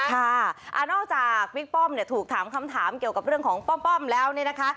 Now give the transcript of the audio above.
ค่ะนอกจากบิ๊กป้อมเนี่ยถูกถามคำถามเกี่ยวกับเรื่องของป้อมแล้วเนี่ยนะคะ